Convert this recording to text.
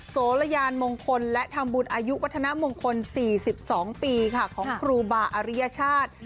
โสระยานมงคลและทำบุญอายุวัฒนามงคล๔๒ปีค่ะของครูบาอริยชาติ